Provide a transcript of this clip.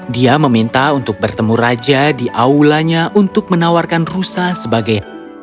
dia meminta untuk bertemu raja di aulanya untuk menawarkan rusa sebagai